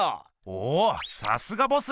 おおさすがボス。